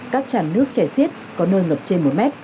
các tràn nước chảy xiết có nơi ngập trên một m